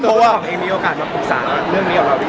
เพราะว่าโน้มยังมีโอกาสมาผู้ถือสาวเรื่องนี้เหรอฟะ